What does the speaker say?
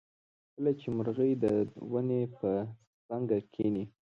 کله چې مرغۍ د ونې په څانګه کیني.